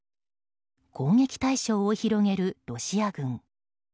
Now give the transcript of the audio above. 攻撃対象を広げるロシア軍。